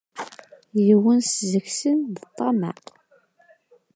Yiwen seg-sen d ṭṭameε.